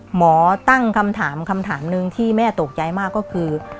หมอตั้งคำถามคำถามหนึ่งที่แม่ตกใจมากก็คือ